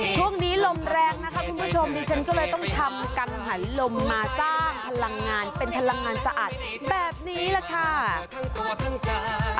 ช่วงนี้ลมแรงนะคะคุณผู้ชมดิฉันก็เลยต้องทำกังหันลมมาสร้างพลังงานเป็นพลังงานสะอาดแบบนี้แหละค่ะ